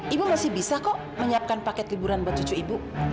ibu masih bisa kok menyiapkan paket liburan buat cucu ibu